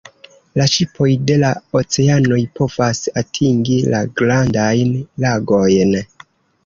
La ŝipoj de la oceanoj povas atingi la Grandajn Lagojn.